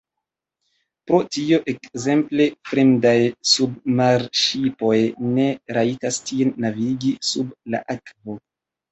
Pro tio, ekzemple, fremdaj submarŝipoj ne rajtas tien navigi sub la akvo.